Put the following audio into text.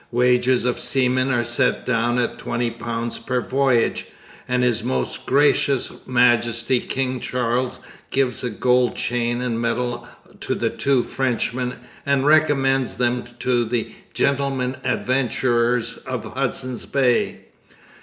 Wages of seamen are set down at £20 per voyage; and His Most Gracious Majesty, King Charles, gives a gold chain and medal to the two Frenchmen and recommends them to 'the Gentlemen Adventurers of Hudson's Bay.'